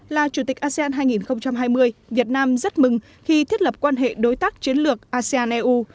là chủ tịch asean hai nghìn hai mươi việt nam rất mừng khi thiết lập quan hệ đối tác chiến lược asean eu